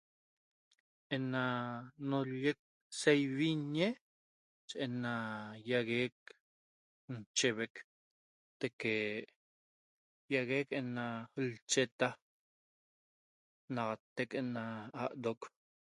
Ena nollec saivinñe ena iaguec nchevec teque iaguec ena ncheta naxatec ena aro'oc